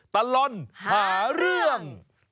ตลอดหาเรื่อง